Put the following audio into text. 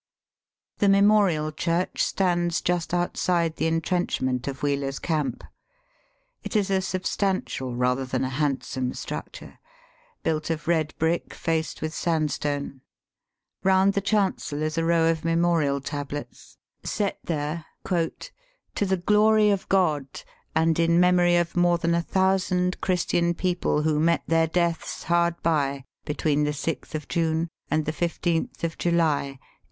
The Memorial Church stands just outside the entrenchment of Wheeler's camp. It is a substantial rather than a handsome struc ture, built of red brick faced with sandstone Bound the chancel is a row of memorial tablets, set there ^^ to the glory of God and in memory of more than a thousand Christian people who met their deaths hard by between the 6th of June and the 16th of July, 1857."